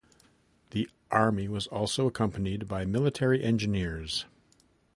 The army was also accompanied by military engineers.